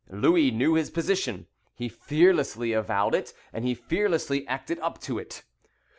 Louis knew his position. He fearlessly avowed it, and he fearlessly acted up to it.